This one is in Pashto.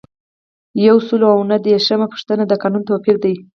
یو سل او نهه دیرشمه پوښتنه د قانون توپیر دی.